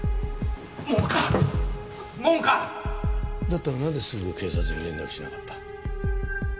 だったらなぜすぐ警察に連絡しなかった？